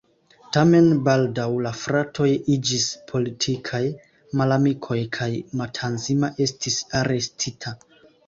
Tamen baldaŭ la fratoj iĝis politikaj malamikoj kaj Matanzima estis arestita.